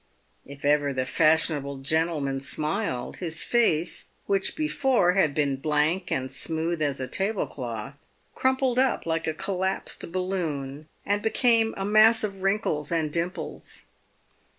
If ever the fashionable gentleman smiled, his face, which before had been blank and smooth as a table cloth, crumpled up like a collapsed balloon and became a mass of wrinkles and dimples.